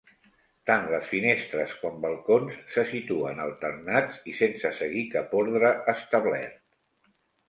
Tant les finestres com balcons se situen alternats i sense seguir cap ordre establert.